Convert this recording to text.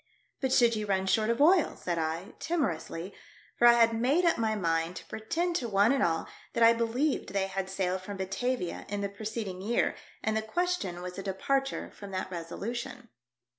" But should you run short of oil !" said I, timorously, for I had made up my mind to pretend to one and all that I believed they had sailed from Batavia in the preceding year, and the question was a departure from that resolution.